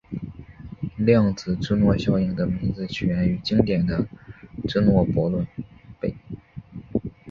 量子芝诺效应的名字起源于经典的芝诺悖论。